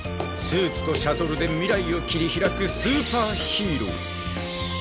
スーツとシャトルで未来を切り開くスーパーヒーロー。